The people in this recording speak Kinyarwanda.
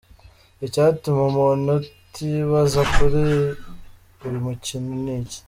Icyatuma umuntu atibaza kuri uyu mukino ni iki ?